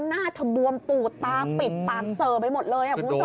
หน้าเธอบวมปูดตาปิดปากเสอไปหมดเลยคุณผู้ชม